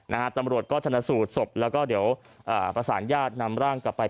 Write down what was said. นะฮะตำรวจก็ชนะสูตรศพแล้วก็เดี๋ยวอ่าประสานญาตินำร่างกลับไป